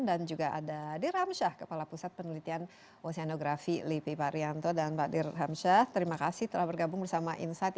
dan juga ada dir ramsyah kepala pusat penelitian oceanografi lipi pak rianto dan pak dir ramsyah terima kasih telah bergabung bersama insight